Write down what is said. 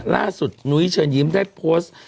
ล่าสุดหนุ๊ยเชิญยิ้มได้โพสต์